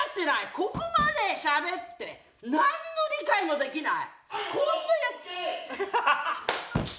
ここまでしゃべってなんの理解もできない。